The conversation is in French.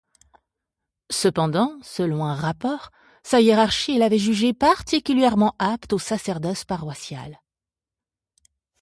Cependant, selon un rapport, sa hiérarchie l’avait jugé particulièrement apte au sacerdoce paroissial.